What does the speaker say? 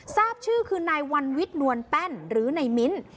ทราบชื่อคือนายวันวิทย์นวลแป้นหรือนายมิ้น